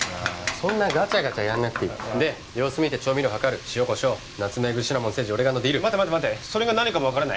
そんなガチャガチャやんなくていいで様子見て調味料量る塩コショウナツメグシナモンセージオレガノディル待って待って待ってそれが何かも分からない